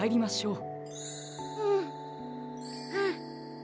うん。